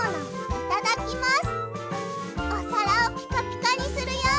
いただきます。